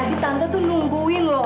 fir dari tadi tante tuh nungguin loh